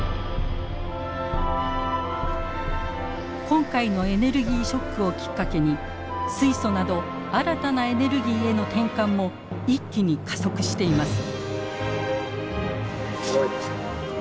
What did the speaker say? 今回のエネルギーショックをきっかけに水素など新たなエネルギーへの転換も一気に加速しています。